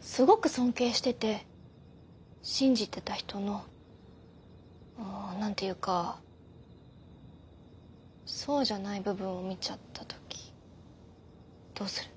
すごく尊敬してて信じてた人のうん何ていうかそうじゃない部分を見ちゃった時どうする？